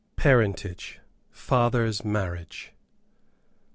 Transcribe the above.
PARENTAGE. FATHER'S MARRIAGE.